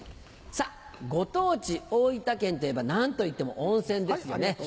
ご当地大分県といえば何といっても温泉ですよね。